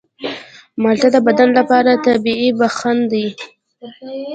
مالټه د بدن لپاره طبیعي یخن دی.